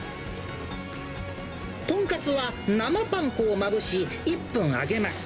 豚カツは生パン粉をまぶし、１分揚げます。